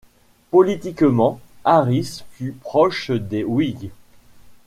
Politiquement, Harris fut proche des Whigs.